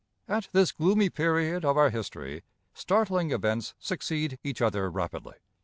At this gloomy period of our history, startling events succeed each other rapidly.